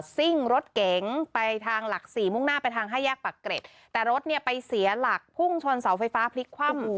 ซิ่งรถเก๋งไปทางหลักสี่มุ่งหน้าไปทางห้าแยกปากเกร็ดแต่รถเนี่ยไปเสียหลักพุ่งชนเสาไฟฟ้าพลิกคว่ำ